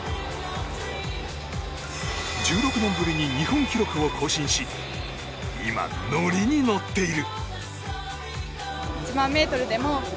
１６年ぶりに日本記録を更新し今ノリに乗っている。